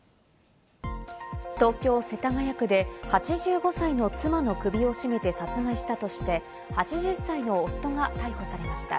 東京・世田谷区で８５歳の妻の首を絞めて殺害したとして８０歳の夫が逮捕されました。